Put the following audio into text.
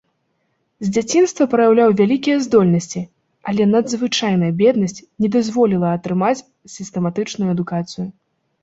З дзяцінства праяўляў вялікія здольнасці, але надзвычайная беднасць не дазволіла атрымаць сістэматычную адукацыю.